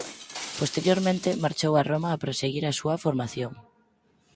Posteriormente marchou a Roma a proseguir a súa formación.